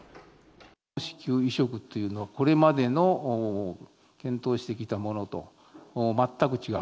子宮移植っていうのは、これまでの検討してきたものと全く違う。